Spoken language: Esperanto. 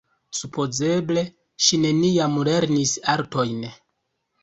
Supozeble ŝi neniam lernis artojn.